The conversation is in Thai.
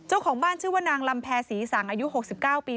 เจ้าของบ้านชื่อว่านางลำแพรศรีสังอายุ๖๙ปี